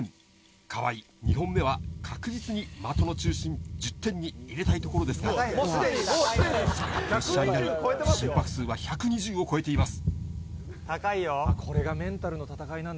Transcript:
河合、２本目は確実に的の中心、１０点に入れたいところですが、プレッシャーになり、心拍数は１２０を超えています。